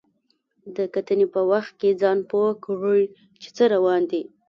د کتنې په وخت کې ځان پوه کړئ چې څه روان دي.